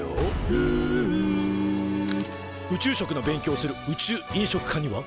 「ルウ」宇宙食の勉強をする宇宙飲食科には。